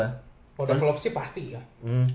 kalau develop sih pasti ya